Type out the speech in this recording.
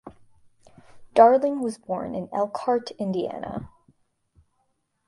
Darling was born in Elkhart, Indiana.